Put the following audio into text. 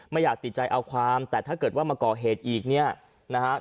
อยากติดใจเอาความแต่ถ้าเกิดว่ามาก่อเหตุอีกเนี่ยนะฮะ